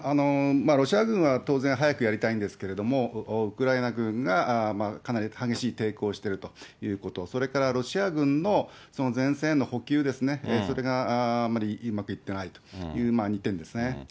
ロシア軍は当然、早くやりたいんですけれども、ウクライナ軍がかなり激しい抵抗をしているということ、それから、ロシア軍のその前線への補給ですね、それがあまりうまくいってないという、２点ですね。